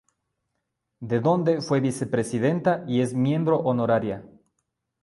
De dónde fue vicepresidenta y es miembro honoraria.